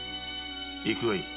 行くがいい。